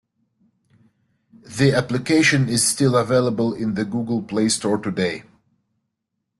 The application is still available in The Google Play Store today.